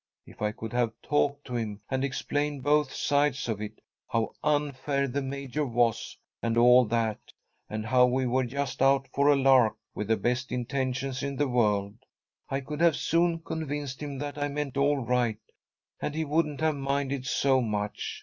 If I could have talked to him, and explained both sides of it, how unfair the Major was, and all that, and how we were just out for a lark, with the best intentions in the world, I could have soon convinced him that I meant all right, and he wouldn't have minded so much.